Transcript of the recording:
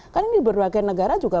kan ini berbagai negara juga